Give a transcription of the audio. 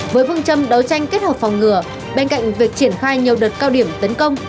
với vương châm đấu tranh kết hợp phòng ngừa bên cạnh việc triển khai nhiều đợt cao điểm tấn công